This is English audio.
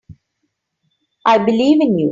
I believe in you.